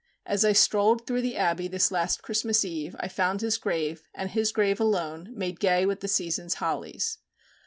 As I strolled through the Abbey this last Christmas Eve I found his grave, and his grave alone, made gay with the season's hollies.